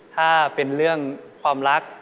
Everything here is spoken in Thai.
ถ้าเป็นเรื่องความรัก